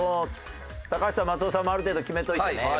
高橋さん松尾さんもある程度決めといてね。